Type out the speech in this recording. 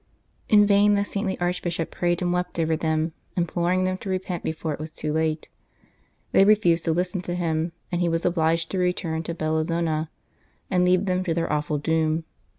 In vain the saintly Archbishop prayed and wept over them, imploring them to repent before it was too late. They refused to listen to him, and he was obliged to return to Bellinzona, and leave them to their awful doom.